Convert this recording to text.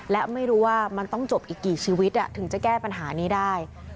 และไม่รู้ว่ามันต้องจบอีกกี่ชีวิตถึงจะแก้ปัญหานี้ได้